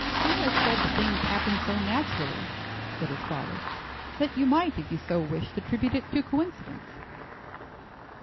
"Morris said the things happened so naturally," said his father, "that you might if you so wished attribute it to coincidence."